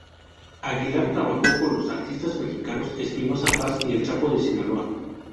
Aguilar trabajó con los artistas mexicanos Espinoza Paz y El Chapo de Sinaloa.